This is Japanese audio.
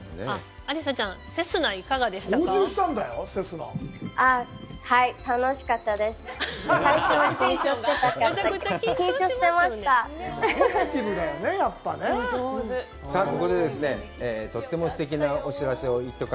アリサちゃん、セスナいかがでしたか？